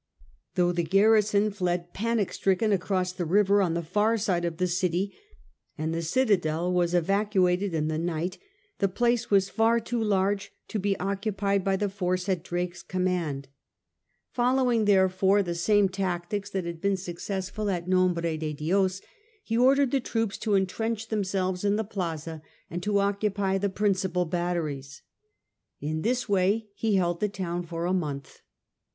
Though the garrison fled panic stricken across the river on the far side of the city, and the citadel was evacuated in the night, the place was far too large to be occupied by the force at Drake's command. Following therefore io6 SIR FRANCIS DRAKE chap. the same tactics that had been successful at Nombre de Dios, he ordered the troops to intrench themselves in the Plaza, and to occupy the principal batteries. In this way he held the city for a month.